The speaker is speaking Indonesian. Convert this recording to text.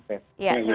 sehat mbak sufis